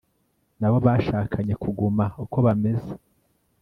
na bo bashakanye kuguma uko bameze